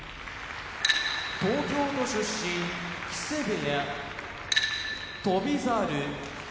東京都出身木瀬部屋翔猿